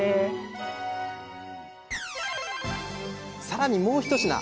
さらにもう一品。